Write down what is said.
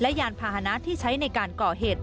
และยานภาษณาที่ใช้ในการก่อเหตุ